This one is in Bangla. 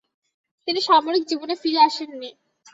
তিনি সামরিক জীবনে ফিরে আসেননি।